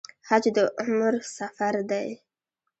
حج د عمر سفر دی